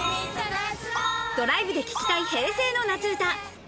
ドライブで聴きたい平成の夏歌。